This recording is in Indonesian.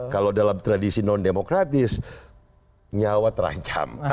kalau dalam tradisi non demokratis nyawa terancam